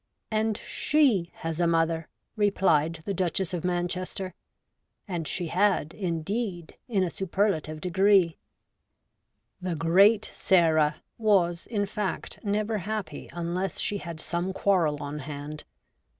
' And she has a mother,' replied the Duchess of Manchester. And she had, indeed, in a superlative degree. ' The great Sarah ' was, in fact, never happy unless she had some quarrel on hand.